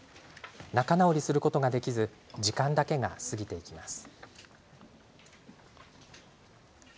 仲直りすることができず時間だけが過ぎていきます。